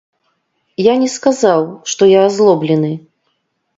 Я не сказаў, што я азлоблены.